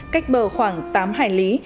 cách bờ khoảng tám hải lý